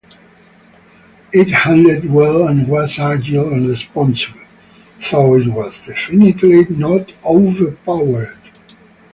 It handled well and was agile and responsive, though it was definitely not overpowered.